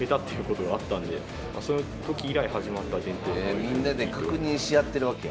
みんなで確認し合ってるわけや。